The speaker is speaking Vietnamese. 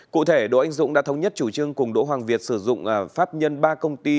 cụ thể đỗ anh dũng đã thống nhất chủ trương cùng đỗ hoàng việt sử dụng pháp nhân ba công ty